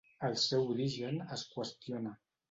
El seu origen es qüestiona.